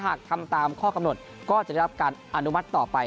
หากทำตามข้อกำหนดก็จะได้รับการอนุมัติต่อไป